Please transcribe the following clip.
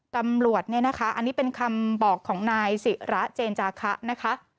ตำรวจอันนี้เป็นคำบอกของนายศิระเจนจาค้ะ